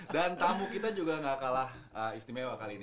dan tamu kita juga gak kalah istimewa kali ini